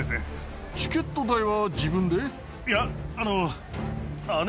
いやあの。